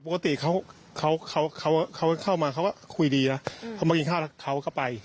ปกติเขาเขาเข้ามาเขาก็คุยดีนะเขามากินข้าวแล้วเขาก็ไป